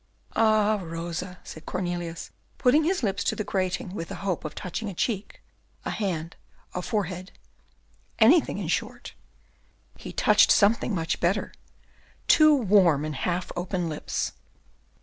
"Ah, Rosa!" said Cornelius, putting his lips to the grating with the hope of touching a cheek, a hand, a forehead, anything, in short. He touched something much better, two warm and half open lips.